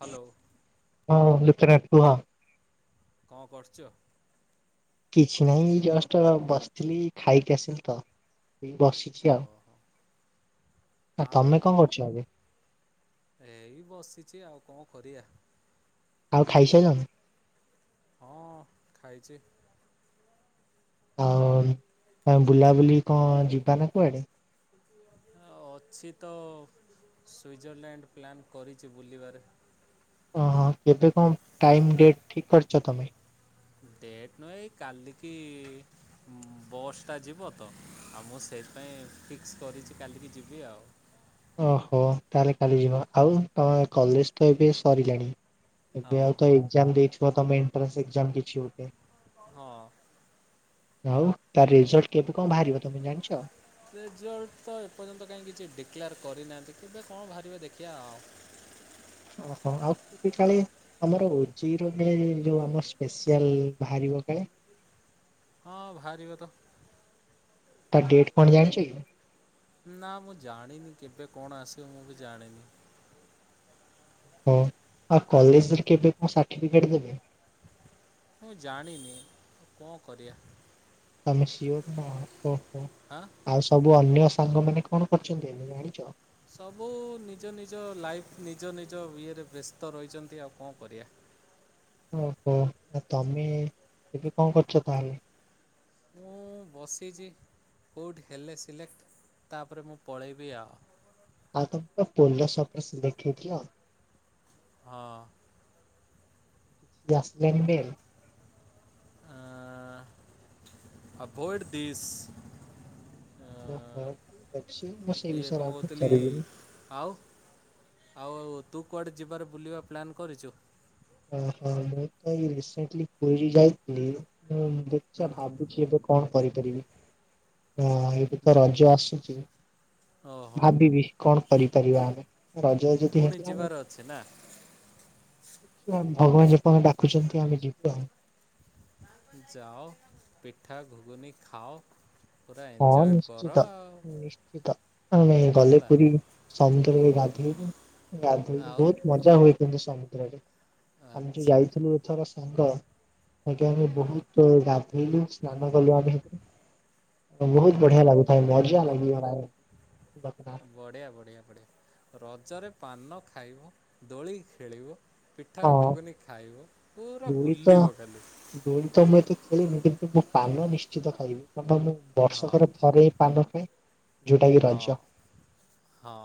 Hello ହଁ ଲୁଖନା ଟୁ ହଁ। କଣ କରୁଛ? କିଛି ନାହିଁ ଜଷ୍ଟ ବସିଥିଲି ଖାଇକି ଆସିଲି ତ ଏ ବସିଛି ଆଉ। ଓହୋ ଆ ଆଉ ତମେ କଣ କରୁଛ। ଏଇ ବସିଛି ଆଉ କଣ କରିବାଆ। ଆଉ ଖାଇସାରିଲନି। ହଁ ଖାଇଛି। ଆଉ ତମେ ବୁଲାବୁଲି କଣ ଯିବ ନା କୁଆଡେ? ଅଛି ତ ସୁଇଜରଲ୍ୟାଣ୍ଡ ପ୍ଲାନ୍ କରିଛି ବୁଲିବାରେ ଓହୋ କେବେ କଣ ଟାଇମ ଡେଟ ଠିକ କରିଛ ତମେ? ଡେଟ୍ ନୁହେଁ ଏ କାଲିକି ବସ୍ ଟା ଯିବ ତ ଆଉ ମୁଁ ସେଇଥିପାଇଁ ଫିକ୍ସ୍ କରିଛି କାଲିକି ଯିବି ଆଉ ଓହୋ ତାହେଲେ କାଲି ଯିବା ଆଉ ତମେ କଲେଜ ତ ଏବେ ସରିଲାଣି ହଁ ଏବେ ଆଉ ତ ଏକ୍ଜାମ୍ ଦେଇଛୁ ତମେ ଏଣ୍ଟ୍ରାନ୍ସ୍ ଏଗ୍ଜାମ୍ କିଛି ଗୋଟେ ହଁ। ଆଉ ତାର ରେଜଲଟ୍ କେବେ କଣ ବାହାରିବ ତମେ ଜାଣିଛ। ରେଜଲ୍ଟ୍ ତ ଏପର୍ଯ୍ୟନ୍ତ କାହିଁକି କିଛି ଡିକ୍ଲାର୍ କରିନାହାନ୍ତି କେବେ କଣ ବାହାରିବେ ଦେଖିବା ଆଉ ଓହୋ ଆଉ କାଳେ ଆମର ଉଜେଇର ଯୋଉ ଆମ ସ୍ପସିଆଲ୍ ବାହାରିବ କାଳେ। ହଁ ବାହାରିବ ତ ତା ଡେଟ୍ କଣ ଜାଣିଛ କି? ନା ମୁଁ ଜାଣିନି କେବେ କଣ ଆସିବ ମୁଁ ବି ଜାଣିନି। ହଁ ଆଉ କଲେଜରେ କେବେ କଣ ସାର୍ଟିଫିକେଟ ଦେବେ। ମୁଁ ଜାଣିନି କଣ କରିବା। ତମେ ସ୍ୟୁର୍ ନାହଁ। ଓହୋ ହାଁ ଆଉ ସବୁ ଅନ୍ୟ ସାଙ୍ଗମାନେ କଣ କରିଛନ୍ତି ଏବେ ଜାଣିଛ। ସବୁ ନିଜ ନିଜ ଲାଇଫ୍ ନିଜ ନିଜ ଇଏରେ ବ୍ୟସ୍ତ ରହିଛନ୍ତି ଆଉ କଣ କରିବା। ଓହୋ ତମେ ଏବେ କଣ କରୁଛ ତାହେଲେ। ମୁଁ ବସିଛି କେଉଁଠି ହେଲେ ସିଲେକ୍ଟ୍ ତାପରେ ମୁଁ ପଳେଇବି ଆଉ। ଆ ମୁ ପହଲ ସପର୍ସ [unintelligible] ଦେଖିକି ଆଉ ହଁ। ଜ ଲ ବେଲ [unintelligible] ଅଭଏଡ଼ ଦିଶ ଓହୋ ଟକି ଅଛି ମୁ ଇଏ ସେବିଶ୍ୟରେ କ'ଣ କହୁଥିଲି ପଚାରିବି। ଆଉ ଆଉ ତୁ କୁଆଡ଼େ ଯିବାରେ ବୁଲିବା ପ୍ଲାନ୍ କରିଛୁ। ଅ ହଁ ମୁଁ ତ ଏଇ ରିସେଣ୍ଟଲି ପୁରୀ ଯାଇଥିଲି। ଦେଖିବା ହୁଁ ଭାବୁଛି ଏବେ କଣ କରିପାରିବି। ହଁ ଏଇଠୁ ତ ରଜ ଆସୁଛି। ଓହୋ ଭାବିବି କଣ କରିପାରିବା ଆମେ ରାଜାଛି ପୁଣି ତିହାସ ଯିବାର [unintelligible] ଅଛି ନା ଭଗବାନ ଯେପର୍ଜନ୍ତ ଡାକୁଚନ୍ତି ଆମେ ଯିବୁ ଆଉ। ଯାଅ ପିଠା ଘୁଗୁନି ଖାଅ। ପୁରା ହଁ ଏନ୍ଜୟ କର ନିଶ୍ଚିତ ଆଉ ନିଶ୍ଚିତ ଆମେ ଗଲେ ହେଲା ପୁରୀ ସମୁଦ୍ରରେ ଗା ଧେଇବୁ। ଗାଧେଇ ଆଉ ବହୁତ ମଜା ହୁଏ କିନ୍ତୁ ସମୁ [inaudible] ଆମେ ଯଉ ଆଚ୍ଛା ଯାଇଥିଲୁ ଏଥର ହନ୍ତ ଆଜ୍ଞା ଆମେ ହଁ ବହୁତ ଗାଧେଇଲୁ ସ୍ନାନ କଲୁ ଆମେ। ବହୁତ ବଢିଆ ଓହୋ ଲାଗୁଥାଏ ମଜା ଲାଗିିବ ରା ବଢିଆ ବଢିଆ ବଢିଆ ରଜରେ ପାନ ଖାଇବ ଦୋଳି ଖେଳିବ। ପିଠା ହଁ ଗୁଗୁନି ଖାଇବ ପୁରା ଦୋଳି ତ ବୁଲିବ ଖାଲି। ଦୋଳି ତ ମୁଁ ଏତେ ଖେଳିନି କିନ୍ତୁ ପାନ ନିଶ୍ଚିତ ଖାଇବି। ପାନ ମୁଁ ହଁ ବର୍ଷକରେ ଥରେ ହିଁ ପାନ ହ। ହଁ ହଁ।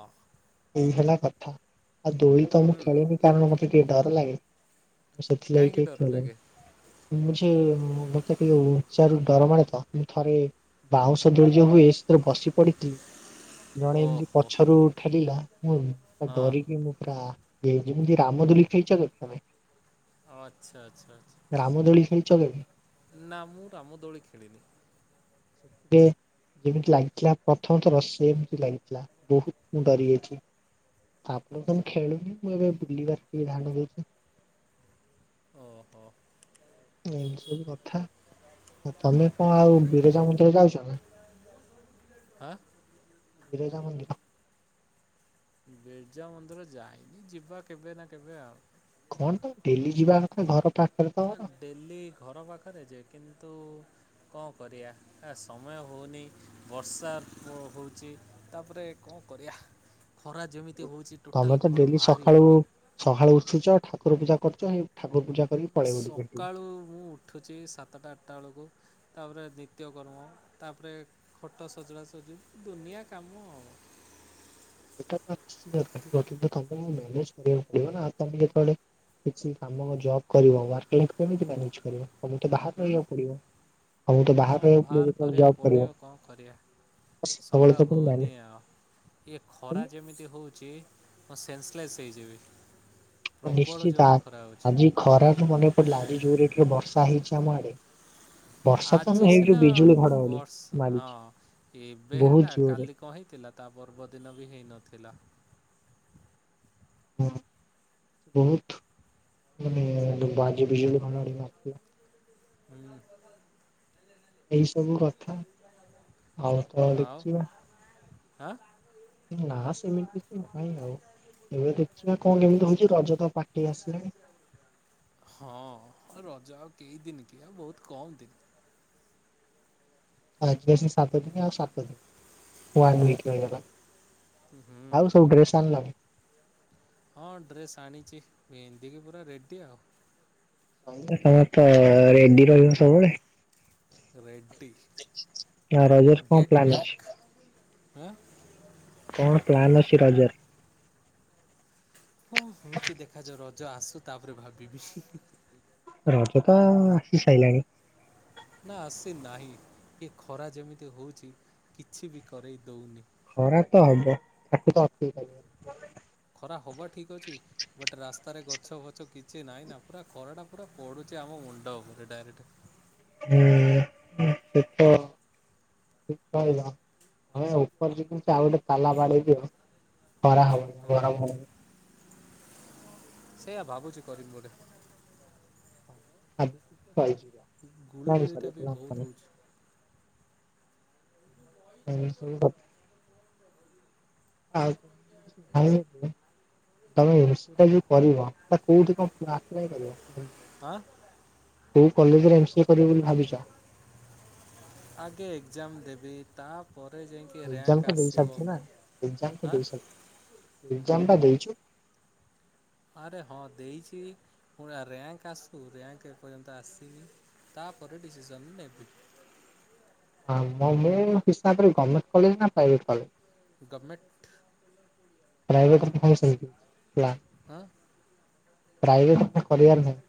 ଏଇ ହେଲା କଥା। ଆଉ ଦୋଇ ତ ମୁଁ ହୁଁ ଖେଳେନି କାରଣ ମୋତେ ଡର ଲାଗେ। ସେଥିଲାଗି କାହିଁକି ଟିକେ ଡର ଖେଳେ ଲାଗେ ମୁ ଯେ ମତେ ଟିକେ ଉଚ୍ଚା ରୁ ଡର ମାଡ଼େ ତ ମୁଁ ଥରେ ବାଉଁଶ ଦୋଳି ଯଉ ହୁଏ ସେଥିରେ ବସି ପଡିଥିଲି। ଜଣେ ଏମତି ଓହୋ ପଛରୁ ଠେଲିଲା ମୁଁ ହଁ ଡରିକି ମୁଁ ପୁରା ଯେମିତି ରାମଦୁଲିକ ଖେଲିଚ କେବେ ତମେ? ଆଚ୍ଛା ଆଚଛା ଆଛା ରାମଦୋଳି ଖେଳିଛ କେବେ? ଛା ନା ମୁଁ ରାମ ଦୋଳି ଖେଳିନି। ସେଥିରେ ଯେମିତି ଲାଗିଥିଲା ପ୍ରଥମଥର ସେ ଏମିତି ଲାଗିଥିଲା। ବହୁତ ମୁ ଡରି ଯାଇଚି ଆପଣ କଣ ଖେଳୁନି ମୁଁ ଏବେ ବୁଲିବାର ଟ ଧ୍ୟାନ ଦେଇଚି। ଓ ହୋ। ଏମତି ସବୁ କଥା। ଆ ତମେ କଣ ଆଉ ବିରଜା ମନ୍ଦିରେ ଯାଇଚ ନା? ହାଁ। ବିରଜା ମନ୍ଦିର। ବିର୍ଜା ମନ୍ଦିର ଯାଇନି। ଯିବା କେବେ ନା କେବେ ଆଉ। କଣ ତ ଡେଲି ଯିବା କଥା ଘର ପାଖରେ ତମର ଡେଲି ଘର ପାଖରେ ଯେ କିନ୍ତୁ କଣ କରିବା ଏ ସମୟ ହଉନି ବର୍ଷା ପ ହଉଚି, ତାପରେ କଣ କରିବା? ଖରା ଯେମିତି ହେଉଛି ତମେ ଟୋଟାଲ୍ ତ ଘରୁ ଡେଲି ବାହାରି ସକାଳୁ ହେଉନି ସକାଳୁ ଉଠୁଛଠ। ାକୁର ପୂଜ କରଛୁ ଠାରୂଜା ସକାଳୁ ମୁଁ ଉଠୁଛି ସାତଟା ଆଠଟା ବେଳକୁ ତା ପରେ ନିତ୍ୟକର୍ମ ତାପରେ ଖଟ ସଜଡ଼ା ସଜଡ଼ି ଦୁନିଆ କାମ ଆଉ ଟା କିନ୍ତ ତମକୁ ମାନେ କରିବାକୁ ପଡିବ ନାମେ ଯେତେବେ କି କ ଜବ କର ମ ଆଉମ ତ ହୁଁ ବାହାରେ ରହିବାକୁ ପଡିବ ହଁ ଆଉମ ବାହାର ତ କରିବାକୁ ପଡ଼ିବ ବାହାରେ କ'ଣ ରହିବାକୁ କରିବା ପଡିବ ଯେତେବେଳେ ସମୟ ଜବ ହଉନି କରିବଳ ଆଉ। ତ ଇଏ ନ ଖରା ଯେମିତି ହେଉଛି ମୁଁ ସେନ୍ସଲେସ୍ ହେଇଯିବି ପ୍ରବଳ ନିଶ୍ଚିତ ଆ ଜୋରରେ ଖରା ହଉଛି। ଆଜି ଖରା ମନେ ପିଲ ଆଜି ଜୋର ଏଠ ବର୍ଷ ବର୍ଷା ହେଇଚି ଆମ ଆଡ଼େ ଆଜି ସିନା ବର୍ଷ, ହଁ ମାରିଛି ଏବେ ବହୁତ ହେଲା ଜୋରରେ। କାଲି କହିଥିଲା ତା ପର୍ବଦିନ ବି ହେଇନଥିଲା। ଥିଲା। ହଁ, ବହୁତ ମାନେ ଆଜି ବିଜୁଳି ଘଡଘଡି ମରିଥିଲା। ହୁଁ ଏଇ ସବୁ କଥା ଆଉ ତମ ଆଉ ଆଁ ଦେଖିଚ ନା ସେମିତି ତି ନାହିଁ ଆଉ ଏବେ ଦେଖିବା କଣ କେମିତି ହଉଛି ରଜ ତ ପାଖେଇ ଆସିଲାଣି ହଁ ରଜ ଆଉ କେଇ ଦିନ କି ଆଉ ବହୁତ କମ ଦିନ। ଆଜି ଆସି ସାତ ଦିନ ଆଉ ସାତ ଦିନ ହୁଁ ଆଉ ସବୁ ଡ୍ରେସ୍ ଆଣିଲଣି? ହଁ ଡ୍ରେସ୍ ଆଣିଛି ପିନ୍ଧିକି ପୁରା ରେଡି ଆଉ। ହଁ, ସମସ୍ତ ରେଡଡି ରହିବେ ସବୁବେଳ। ରେଡ୍ଡି ଆଉ ରଜରେ କଣ ଗେଟ୍ ପ୍ଲାନ ଅଛି? ବ୍ୟାକ୍। ଆଁ କଣ ପ୍ଲାନ ଅଛି ରଜରେ କଣ ହଉଛି ଦେଖାଯାଉ ରଜ ଆସୁ ତାପରେ ଭାବିବି ରଜ ତ ଆସି ସାଇଲାଣି। ନା ସେ ନାହିଁ ଇଏ ଖରା ଯେମିତି ହଉଛି କିଛି ବି କରେଇ ଦଉନି। ଖରା ତ ହବ ତାକୁ ତ ଅଟକେଇ ପାରିବନି। ଖରା ହବା ଠିକ ଅଛି ବଟ ରାସ୍ତାରେ ଗଛ ଫଛ କିଛି ନାଇଁ ନା ପୁରା ଖରା ଟା ପୁରା ପଡୁଛି ଆମ ମୁଣ୍ଡ ଉପରେ ଡାଇରେକ୍ଟ। ହୁଁ, ସେ ତ ଠିକ କହିଲ ଉପର ଧର ଉପରେ ଯଦି ଆଉ ଗୋଟେ ତାଲା ବାଡ଼େଇ ଦିଅ ଖରା ହଁ ହବନି ସେଇଆ ଭାବୁଛି କରିବି ବୋଲି। ଆ ବା ଗୁଳିଗୁଳିଟା ବି ବହୁତ ନାଁ ହେଉଛି ହୁଁ ହୁଁ ଆଉ ତମେ ଯୋଉ କରିବ କୋଉଠି କଣ ଆପ୍ଲାଏ ଆଁ। କୋଉ କଲେଜରେ ଏମସିଏ କରିବ ବୋଲି ଭାବିଛ? ଆଗେ ଏକ୍ଜାମ ଦେବି ତା ଏକଜାମ୍ ତ ଦେଇସାରିଥିବ ନା ଏକଜାମ୍ ତ ହଁ ଦେଇ ଏକଜାମ୍ ବା ଦେଇଛୁ। ଆରେ ହଁ ଦେଇଛି ପୁରା ରାଙ୍କ୍ ଆସୁ ରାଙ୍କ୍ ଏପର୍ଯ୍ୟନ୍ତ ଆସିନି ତାପରେ ଡିସିସନ୍ ନେବି। ହଁ ମୋ ମୁଁ ହିସାବରେ ଗଭର୍ମେଣ୍ଟ୍ କଲେଜ ନା ପ୍ରାଇଭେଟ୍ କଲେଜ? ଗଭର୍ମେଣ୍ଟ୍ ପ୍ରାଇଭେଟ୍ ରେ ତ ସମସ୍ତେ ଆଁ- ପ୍ରାଇଭେଟ୍ ରେ ତ କରିବାର ନାହିଁ।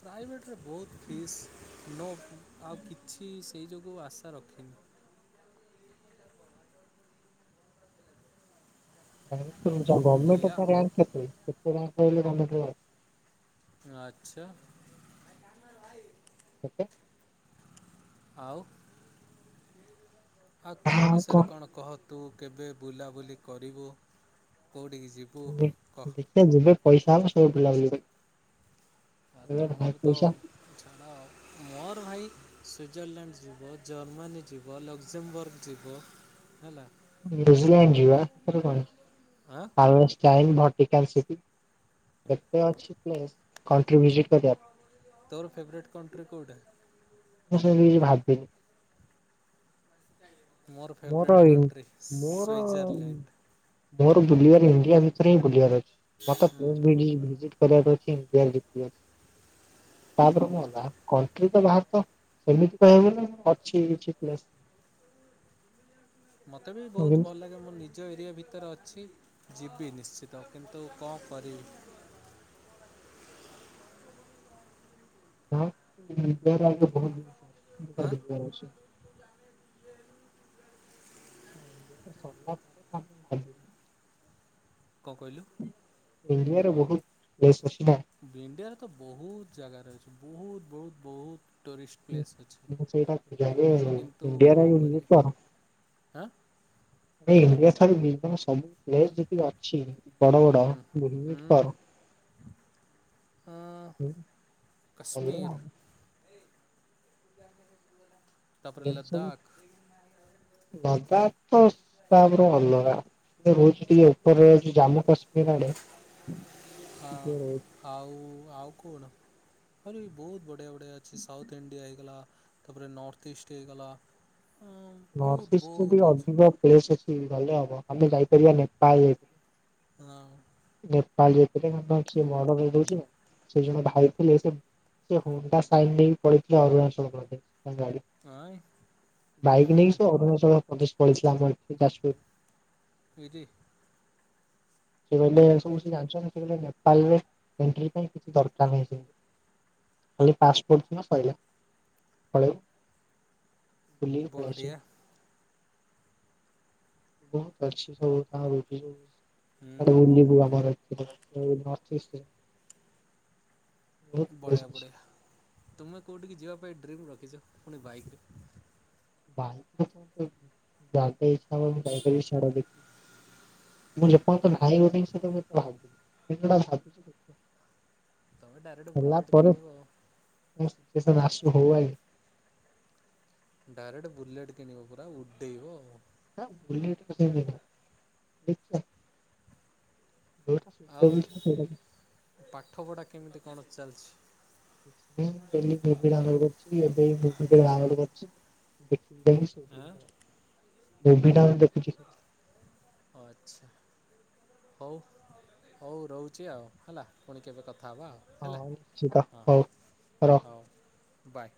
ପ୍ରାଇଭେଟ୍ ରେ ବହୁତ୍ ଫିସ୍ ନୋ ଆଉ କିଛି ସେହି ଯୋଗୁଁ ଆଶା ରଖିନି। ହଉ। [unintelligible] ଗଭର୍ମେଣ୍ଟ୍ ରେ ଏଇଆ ତା ରାଙ୍କ୍ କେତେ? ରାଙ୍କ୍ [unintelligible] ଗଭମେଣ୍ଟ୍ ଆଚ୍ଛା। କେତେ? ଆଉ ଆଉ ତୋ ବିଷୟରେ କଣ କହ? ତୁ କେବେ ବୁଲାବୁଲି କରିବୁ? କେଉଁଠିକି ଯିବୁ କହ ଦେଖିଆ ଯିବା ପଇସା ହଉ ସବୁ [unintelligible] ତୁମର ତ ଛାଡ଼ ମୋର ଭାଇ ସୁଇଜରଲ୍ୟାଣ୍ଡ ଯିବ ଜର୍ମାନୀ ଯିବ ଲକ୍ଜମ୍ବର୍ଗ ଯିବ ହେଲା। ନ୍ୟୁଜିଲ୍ୟାଣ୍ଡ ଯିବା ଏଥିରେ କଣ ଆଁ ଅଛି। ଆଉ ଚାଇନ୍ ଭଟିକାନ୍ ସିଟି କେତେ ଅଛି ପ୍ଲେସ୍ କଣ୍ଟ୍ରି ଭିଜିଟ୍ କରିବା। ତୋର ଫେଭରେଟ୍ କଣ୍ଟ୍ରି କେଉଁଟା ମୁଁ ସେମିତି କିଛି ଭାବିନି। ମୋର ଫେଭରାଇଟ୍ କଣ୍ଟ୍ରି ମୋର ସୁଈଜରଲ୍ୟାଣ୍ଡ୍। ମୋର ବୁଲିବାର ଇଣ୍ଡିଆ ଭିତରେ ହିଁ ବୁଲିବାର ଅଛି। ମତେ ହଁ ହଁ [unintelligible] ଭିଜିଟ୍ କରିବାର [unintelligible] ତା ପରେ କଣ ହଁ ହେଲା କଣ୍ଟ୍ରି [unintelligible] ସେମିତି କହିବାକୁ ଗଲେ ଅଛି ଏଇଠି ପ୍ଲେସ୍। ମତେ ବି ବହୁତ୍ ଭଲ ଲାଗେ ମୋ ନିଜ ଏରିଆ ଭିତରେ ଅଛି। ଯିବି ନିଶ୍ଚିତ କିନ୍ତୁ କଣ କରିବି। ହଁ ଇଣ୍ଡିଆ ରେ ଆଗ ବହୁତ୍ ହାଁ [unintelligible] [inaudible] କଁ କହିଲୁ? ଇଣ୍ଡିଆରେ ବୋହୁତ ପ୍ଲେସ ଅଛି। ନା। ବେ ଇଣ୍ଡିଆରେ ତ ବୋହୁତ ଜାଗା ରହି ବୋହୁତ୍ ବୋହୁତ୍ ବୋହୁତ୍ ମୁଁ ସେଇଟା ଜାଣିନି କିନ୍ତୁ ଇଣ୍ଡିଆରେ କ'ଣ କରିବା [inaudible] କଣ? ହାଁ ଏ ଇଣ୍ଡିଆ ଠାରୁ ବିଭିନ୍ନ ସବୁ ପ୍ଲେସ ଯେତି ଅଛି ବଡ଼ ବଡ଼ ହୁଁ [inaudible] ହୁଁ ଉଁ ହାଲୋ। କାଶ୍ମୀର ତାପରେ ଏସବୁ ଲଦାଖ ଲଦା ଅସ୍ ତାପରେ ଅଲଗା ଏ ରହୁଚି ଟିକେ ଉପରେ ସେ ଜାମ୍ମୁ କାଶ୍ମୀର ଆଡ଼େ। ହଁ ଆଉ ଆଉ କୋଉଡ଼ା? ଆହୁରି ବୋହୁତ୍ ବଢ଼ିଆ ରେ ଅଛି ସାଉଥ୍ ଇଣ୍ଡିଆ ହେଇଗଲା ତାପରେ ନର୍ଥ ଇଷ୍ଟ ହେଇଗଲା। ବହୁତ ନର୍ଥଇଷ୍ଟଟା ଟିକେ ବହୁତ ଅଛି ଅଧିକ ପ୍ଲେସେ ହୁଁ ଭଲ ହବ ଆମେ ଯାଇପାରିବା ନେପାଳ। ହଁ ରେ ପାଳ ଯାଇଥିଲେ ସେଦିନ ସିଏ ମର୍ଡର ହେଇ ଯାଇଚି। ସେ ଜଣେ ଭାଇ ଥିଲେ ସେ ସେ ହୁଣ୍ଡା ସାଇନ ନେଇକି ପଳେଇଥିଲେ ଅରୁଣାଚଳ ପ୍ରଦେଶ। ତାଙ୍କ ଗାଡି। ଆଁ? ବାଇକ୍ ନେଇକି ସେ ଅରୁଣାଚଳ ତ ପ୍ରଦେଶ ପଳେଇ ଥିଲା ଆମ ଏଠୁ ଯାଜପୁର। ଉଁ ହୁଁ। ସେ କହିଲେ ସବୁ ସେ ଜାଣିଚନ୍ତି। ସେ କହିଲେ ନେପାଳରେ ଏଣ୍ଟ୍ରି ପାଇଁ କିଛି ଦରକାର ନାହିଁ ସେମିତି। ଖାଲି ପାସପୋର୍ଟ ଥିବ ସଇଲା ପଳେଇବୁ। ବୁଲିକି ପଳି ଆସିବୁ। ବଢ଼ିଆ ବୋହୁତ ଅଛିି ହୋଉ [unintelligible] ଆ ରୁମ୍ ହୁଁ ବି ଭଲ ଘର ଏଥିରେ ଏଇ ନିର୍ଦିଷ୍ଟ ରେ। ପ୍ଲେସ୍ ବଢ଼ିଆ ଅଛି। ବଢ଼ିଆ ତୁମେ କୋଉଠିକି ଯିଆ ପାଇଁ ଡ୍ରିମ୍ ରଖିଚ ପୁଣି ବାଇକ୍ ରେ? ବାଇକ୍ ରେ [inaudible] ମୁଁ ଯେପର୍ଯ୍ୟନ୍ତ ନାହିଁ ଗୋଟେ [inaudible] ଭାବିକି ତମେ ଡାଇରେକ୍ଟ ହେଲା ବୁଲେଟ୍ ପରେ କିଣିବ ଆଉ। ମୋ ସିଚୁଏସନ୍ ଆସୁ ହୋଉ ଆଗେ। ଡାଇରେକ୍ଟ ବୁଲେଟ କିଣିବ ପୁରା ଉଠେଇବା। ହେ ବୁଲେଟ୍ କଥା ଏବେ କଣ ଦେଖିଆ। ଆଉ ପାଠପଢ଼ା କେମିତି କଣ? ଚାଲଛି। କିଛି ନାହିଁ ମୁଁ ଡେଲି ମୁଭି ଡାଉନ୍ ଲୋଡ୍ କରୁଛି ଏବେ ବି ମୁଭି ଟେ ଡାଉନ୍ ଲୋଡ୍ କରିଛି ଦେ ନିଦ ମାଇଲେ ଶୋଇ ପଡ଼ିବି ଆଁ? ଗଲା। ମୁଭି ଟା ଦେଖିକି ଶୋଉଛି। ଆଚ୍ଛା ହଉ ହଉ ରହୁଛି ଆଉ ହେଲା ପୁଣି କେବେ କ କଥା ହବା ଆଉ ହଁ ହେଲା ନିଶ୍ଚିତ ହଁ ହଉ ରଖ। ହଉ। ବାଏ।